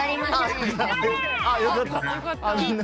あっよかった。